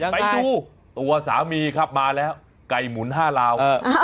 ไปดูตัวสามีครับมาแล้วไก่หมุน๕ลาว